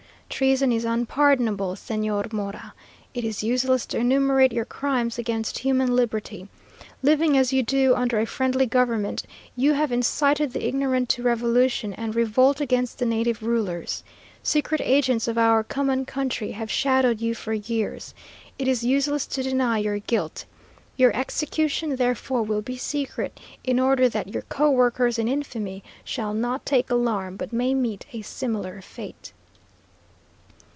Treason is unpardonable, Señor Mora. It is useless to enumerate your crimes against human liberty. Living as you do under a friendly government, you have incited the ignorant to revolution and revolt against the native rulers. Secret agents of our common country have shadowed you for years. It is useless to deny your guilt. Your execution, therefore, will be secret, in order that your co workers in infamy shall not take alarm, but may meet a similar fate."